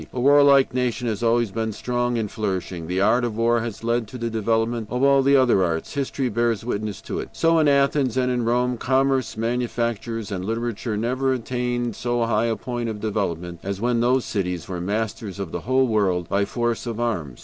A warlike nation has always been strong and flourishing. The art of war has led to the development of all the other arts. History bears witness to it. So in Athens and in Rome, commerce, manufactures, and literature never attained so high a point of development as when those cities were masters of the whole world by force of arms.